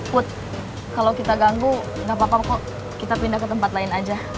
put kalau kita ganggu gak apa apa kok kita pindah ke tempat lain aja